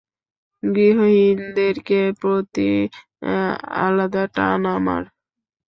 গৃহহীনদেরকে প্রতি আলাদা টান আমার।